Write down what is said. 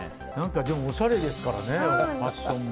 でもおしゃれですからねファッションも。